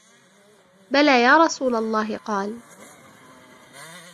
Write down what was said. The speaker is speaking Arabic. بَلَى يَا رَسُولَ اللَّهِ قَالَ